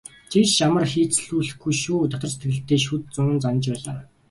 "Тэгж ч амар хийцлүүлэхгүй шүү" дотор сэтгэлдээ шүд зуун занаж байлаа.